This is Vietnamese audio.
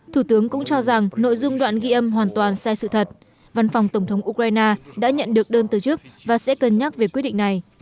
thủ tướng cũng cho rằng nội dung đoạn ghi âm hoàn toàn sai sự thật văn phòng tổng thống ukraine đã nhận được đơn từ chức và sẽ cân nhắc về quyết định này